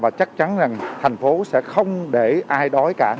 và chắc chắn rằng thành phố sẽ không để ai đói cả